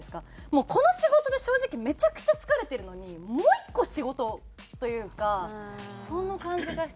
もうこの仕事で正直めちゃくちゃ疲れてるのにもう１個仕事というかその感じがしちゃって。